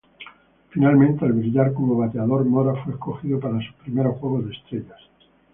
Finalmente al brillar como bateador, Mora fue escogido para su primer Juegos de Estrellas.